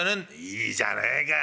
「いいじゃねえか。